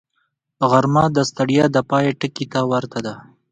غرمه د ستړیا د پای ټکي ته ورته ده